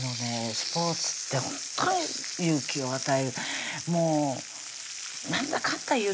スポーツってほんとに勇気を与えるもうなんだかんだ